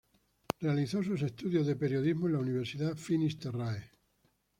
Realizó sus estudios de periodismo en la Universidad Finis Terrae.